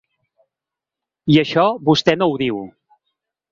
I això vostè no ho diu.